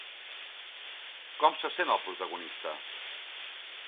Com se sent el protagonista?